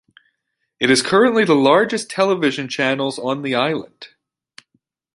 It is currently the largest television channels on the island.